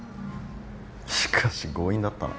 しかし強引だったな。